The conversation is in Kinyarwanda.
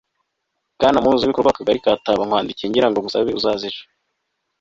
bwana muhuzabikorwa w'akagari ka taba, nkwandikiye ngira ngo nsabe uzaze ejo